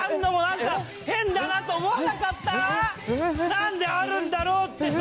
なんであるんだろうってさ。